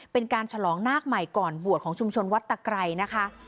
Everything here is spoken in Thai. เป็นการฉลองนาคใหม่ก่อนบวชของชุมชนวัดตะไกรนะคะ